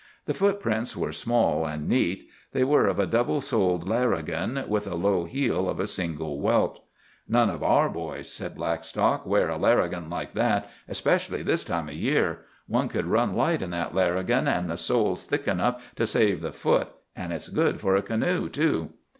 The footprints were small and neat. They were of a double soled larrigan, with a low heel of a single welt. "None of our boys," said Blackstock, "wear a larrigan like that, especially this time o' year. One could run light in that larrigan, an' the sole's thick enough to save the foot. An' it's good for a canoe, too."